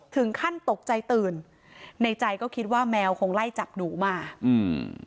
ถึงขั้นตกใจตื่นในใจก็คิดว่าแมวคงไล่จับหนูมาอืม